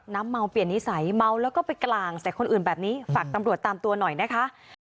เมาเปลี่ยนนิสัยเมาแล้วก็ไปกลางใส่คนอื่นแบบนี้ฝากตำรวจตามตัวหน่อยนะคะ